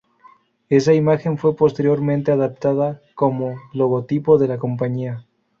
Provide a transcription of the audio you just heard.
Esa imagen fue posteriormente adoptada como logotipo de la compañía.